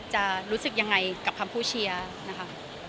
รู้สึกยังไงกับคำพูดเชียร์นะคะ